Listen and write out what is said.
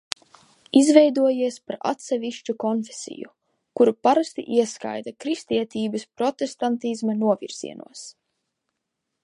Izveidojies par atsevišķu konfesiju, kuru parasti ieskaita kristietības protestantisma novirzienos.